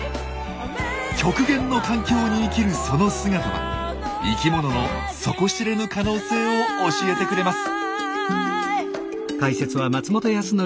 極限の環境に生きるその姿は生きものの底知れぬ可能性を教えてくれます。